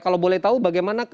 kalau boleh tahu bagaimana